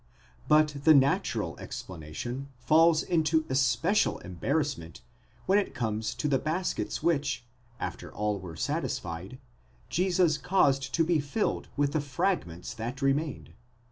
45 But the natural explanation falls into especial embarrassment when it comes to the baskets which, after all were satisfied, Jesus caused to be filled with the fragments that remained.